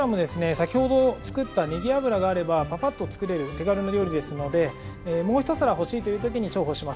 先ほど作ったねぎ油があればパパッと作れる手軽な料理ですのでもう一皿欲しいという時に重宝します。